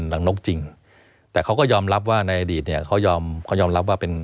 หลังนกจริงแต่เขาก็ยอมรับว่าในอดีตเนี่ยเขายอมเขายอมรับว่าเป็น